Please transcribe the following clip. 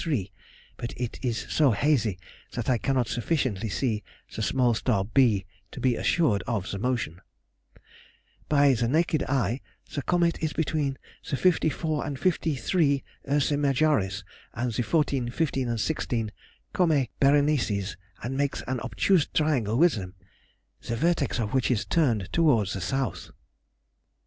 3, but it is so hazy that I cannot sufficiently see the small star b to be assured of the motion. By the naked eye the comet is between the 54 and 53 Ursæ Majoris and the 14, 15, and 16 Comæ Berenices, and makes an obtuse triangle with them, the vertex of which is turned towards the south.